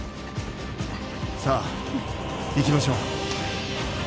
さあ行きましょう。